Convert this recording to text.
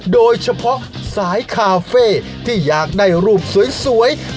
โดยเฉพาะสายคาเฟ่ที่อยากได้รูปสวย